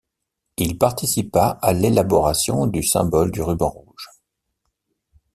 Il participa à l'élaboration du symbole du ruban rouge.